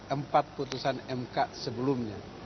empat putusan mk sebelumnya